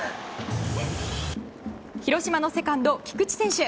広島のセカンド、菊池選手